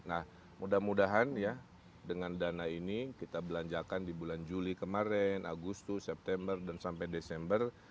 nah mudah mudahan ya dengan dana ini kita belanjakan di bulan juli kemarin agustus september dan sampai desember